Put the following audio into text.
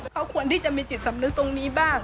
เขาควรที่จะมีจิตสำนึกตรงนี้บ้าง